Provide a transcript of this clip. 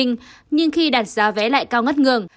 nhưng khi đặt giá vé lại cao ngất ngường